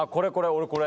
俺これ。